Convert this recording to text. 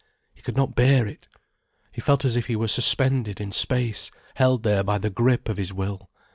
He could not bear it. He felt as if he were suspended in space, held there by the grip of his will.